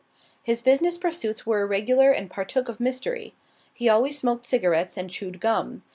His business pursuits were irregular and partook of mystery. He always smoked cigarettes and chewed gum.